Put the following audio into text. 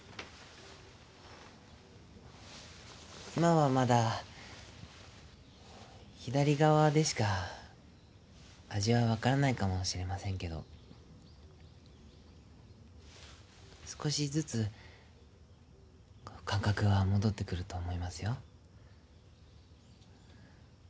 今はまだ左側でしか味は分からないかもしれませんけど少しずつ感覚は戻ってくると思いますよ。